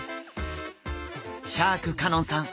シャーク香音さん